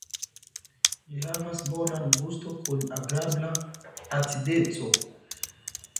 Ĝi havas bonan gusto kun agrabla acideco.